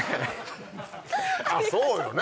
あっそうよね！